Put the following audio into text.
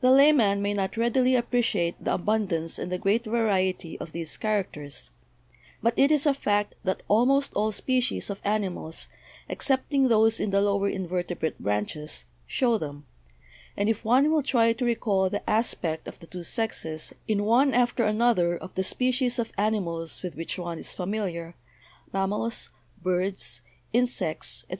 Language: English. The layman may not readily appreciate the abundance and the great variety of these characters, but it is a fact that almost all species of animals, excepting those in the lower invertebrate branches, show them, and if one will try to recall the aspect of the two sexes in one after another of the species of animals with which one is familiar, mam mals, birds, insects, etc.